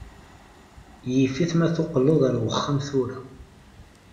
Yif-it ma teqqleḍ ar wexxam tura.